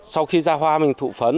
sau khi ra hoa mình thụ phấn